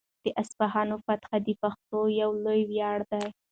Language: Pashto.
د اصفهان فتحه د پښتنو یو لوی ویاړ دی.